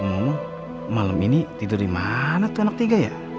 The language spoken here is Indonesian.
emang malem ini tidur dimana tuh anak tiga ya